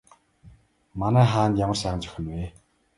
Манай хаанд ямар сайхан зохино вэ?